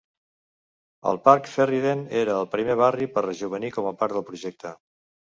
El parc Ferryden era el primer barri per rejovenir com a part del projecte.